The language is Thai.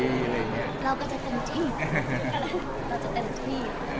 เราก็จะเป็นที่เราจะเป็นที่ให้มันออกมาดี